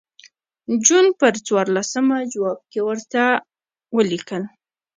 جون پر څوارلسمه جواب کې ورته ولیکل.